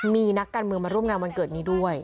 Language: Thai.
มีนักการเมืองมาร่วมงานวันเกิดนี้ด้วย